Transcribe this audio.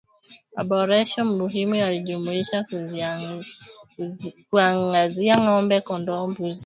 Maboresho muhimu yalijumuisha kuangazia ng'ombe kondoo mbuzi